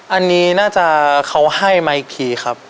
อันนี้น่าจะเขาให้มาอีกทีครับ